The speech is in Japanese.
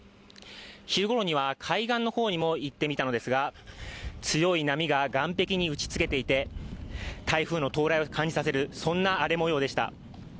昼ごろには海岸の方にも行ってみたのですが強い波が岸壁に打ちつけていて台風の到来を感じさせるそんな荒れもようでした。